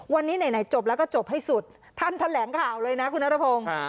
วันนี้ไหนจบแล้วก็จบให้สุดท่านแถลงข่าวเลยนะคุณนัทพงศ์